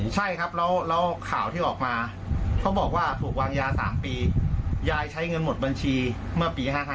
ใช่ครับแล้วข่าวที่ออกมาเขาบอกว่าถูกวางยา๓ปียายใช้เงินหมดบัญชีเมื่อปี๕๕